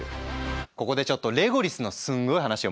ここでちょっとレゴリスのすんごい話をもう一個。